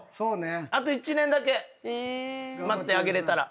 あと１年だけ待ってあげられたら。